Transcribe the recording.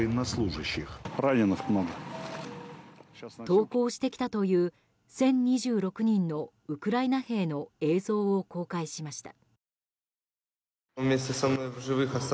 投降してきたという１０２６人のウクライナ兵の映像を公開しました。